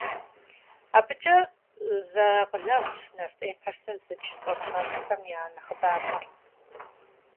Абыкӏэ зэакъылэгъущ нарт эпосыр зыдж щӏэныгъэлӏхэм я нэхъыбапӏэр.